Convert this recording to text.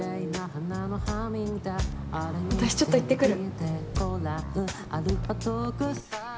私ちょっと言ってくる。